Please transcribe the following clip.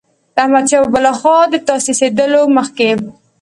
د احمدشاه بابا له خوا د تاسیسېدلو مخکې.